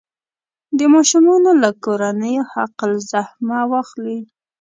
د ماشومانو له کورنیو حق الزحمه واخلي.